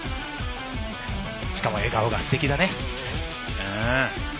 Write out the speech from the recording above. しかも笑顔がすてきでね。